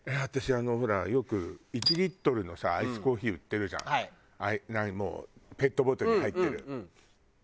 私あのほらよく１リットルのさアイスコーヒー売ってるじゃんペットボトルに入ってる。